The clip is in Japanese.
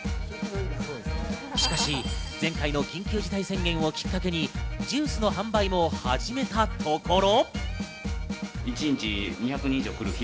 しかし、前回の緊急事態宣言をきっかけにジュースの販売も始めたところ。